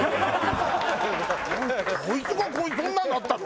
こいつがそんなんなったの？